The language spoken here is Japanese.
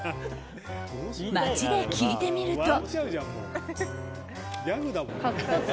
街で聞いてみると。